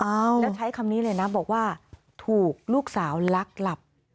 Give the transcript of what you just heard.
แล้วใช้คำนี้เลยนะบอกว่าถูกลูกสาวลักหลับ